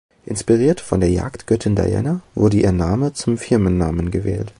Inspiriert von der Jagdgöttin Diana wurde ihr Name zum Firmennamen gewählt.